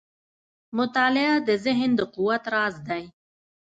• مطالعه د ذهن د قوت راز دی.